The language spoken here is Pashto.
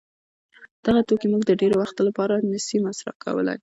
دغه توکي موږ د ډېر وخت له پاره نه سي مصروف کولای.